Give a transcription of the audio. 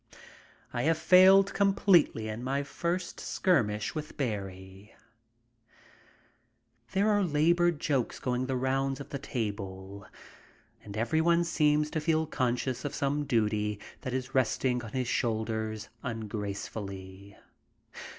I have failed completely in my first skirmish with Barrie. There are labored jokes going the rounds of the table and everyone seems to feel conscious of some duty that is resting on his shoulders imgracefuUy.